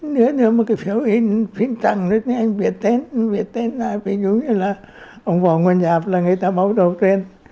nếu như một cái phiếu in phiên trẳng nó nghe việt tên việt tên là phải giống như là ông võ nguyễn nhạp là người ta báo đầu tên